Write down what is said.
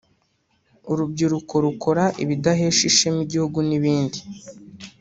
urubyiruko rukora ibidahesha ishema igihugu n’ibindi